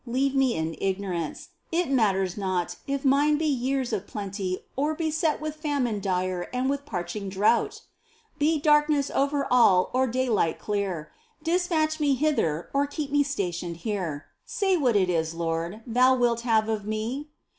Leave me in ignorance ; it matters naught If mine be years of plenty, or beset With famine direful and with parching drought ! Be darkness over all or daylight clear. Despatch me hither, keep me stationed here, Say what it is, Lord, Thou wilt have of me